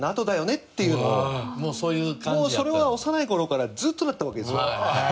もうそれは幼い頃からずっとだったわけですよ。